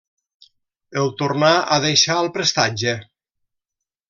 El tornà a deixar al prestatge.